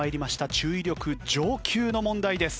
注意力上級の問題です。